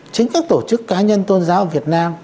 chính các tổ chức cá nhân tôn giáo việt nam